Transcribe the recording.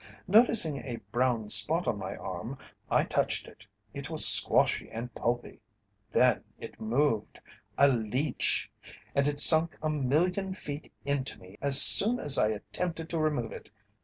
"Noticing a brown spot on my arm, I touched it. It was squashy and pulpy. Then it moved! A leech and it sunk a million feet into me as soon as I attempted to remove it.